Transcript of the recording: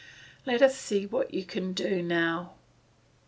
let us see what you can do now."